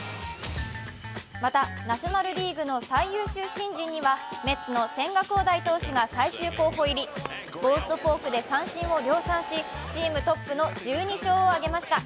また、ナショナル・リーグの最優秀新人にはメッツの千賀滉大投手が最終候補に入り、ゴーストフォークで三振を量産し、チームトップの１２勝を挙げました。